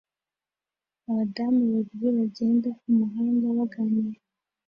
Abadamu babiri bagenda kumuhanda baganira